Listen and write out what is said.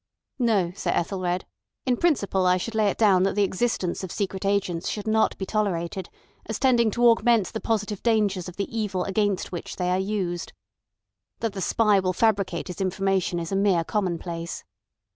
"No, Sir Ethelred. In principle, I should lay it down that the existence of secret agents should not be tolerated, as tending to augment the positive dangers of the evil against which they are used. That the spy will fabricate his information is a mere commonplace.